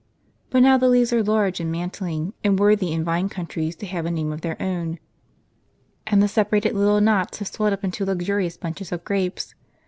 But now the leaves are large and mantling, and worthy in vine countries to have a name of their own ;* and the separated little knots have swelled up into luxuiious bunches of grapes.